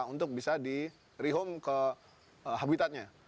untuk bisa di rehum ke habitatnya